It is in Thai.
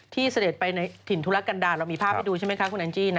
เสด็จไปในถิ่นธุรกันดาเรามีภาพให้ดูใช่ไหมคะคุณแอนจี้